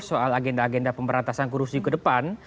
soal agenda agenda pemberantasan korupsi ke depan